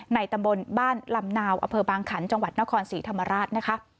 ตำบลบ้านลำนาวอำเภอบางขันจังหวัดนครศรีธรรมราชนะคะ